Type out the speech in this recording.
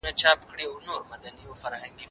صدقه کول د بخل مخه نیسي.